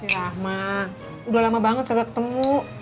si rahmat udah lama banget gak ketemu